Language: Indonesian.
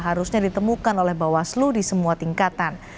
harusnya ditemukan oleh bawaslu di semua tingkatan